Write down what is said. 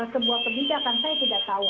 sebuah kebijakan saya tidak tahu